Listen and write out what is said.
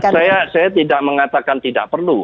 saya tidak mengatakan tidak perlu